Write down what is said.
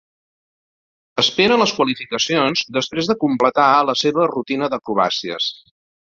Espera les qualificacions després de completar la seva rutina d'acrobàcies.